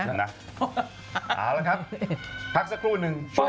เอาละครับพักสักครู่นึง